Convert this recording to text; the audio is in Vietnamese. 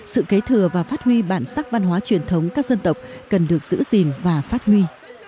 sự kế thừa và phát huy bản sắc văn hóa truyền thống các dân tộc cần được giữ gìn và phát huy